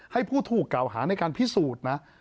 ให้ผู้ถูกกล่าวหาในการพิสูจน์นะ